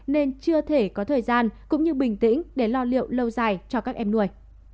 nên chưa thể có thời gian cũng như bình tĩnh để lo liệu lâu dài cho các em nuôi